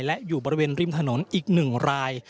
และอยู่บริเวณริมถนนอีก๑ราย